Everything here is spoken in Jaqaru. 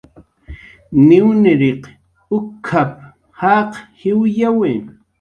"Niwniriq uk""ap"" jaq jiwyawi "